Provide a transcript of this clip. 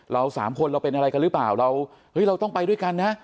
เราสามคนเราเป็นอะไรกันหรือเปล่าเราเฮ้ยเราต้องไปด้วยกันนะ